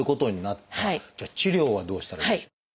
じゃあ治療はどうしたらいいでしょう？